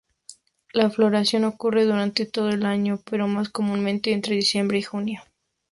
La floración ocurre durante todo el año, pero más comúnmente entre diciembre y junio.